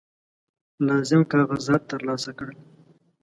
لازم کاغذات ترلاسه کړل.